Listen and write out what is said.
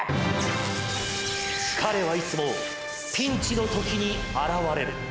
彼はいつもピンチのときに現れる。